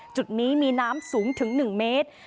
จุดนี้มีน้ำสูงถึง๑เมตร